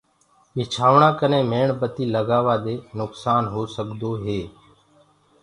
ٻِچآوڻآ ڪني ميڻ بتي لگآوآ دي نڪسآن هو سڪدو هي۔